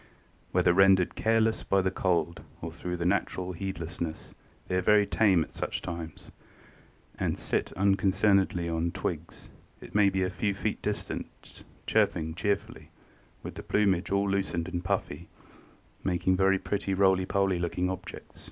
"Whether rendered careless by the cold or through a natural heedlessness, they are very tame at such times; they sit unconcernedly on the twigs, it may be but a few feet distant, chirping cheerfully, with the plumage all loosened and puffy, making very pretty roly poly looking objects."